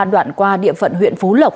đoạn qua địa phận huyện phú lộc